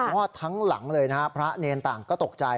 อดทั้งหลังเลยนะฮะพระเนรต่างก็ตกใจ